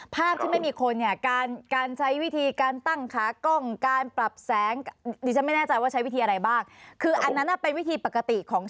ภาพที่ไม่มีคนเนี่ยการใช้วิธีการตั้งค้ากล้อง